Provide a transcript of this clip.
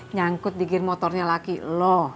nyangkut di gir motornya laki lo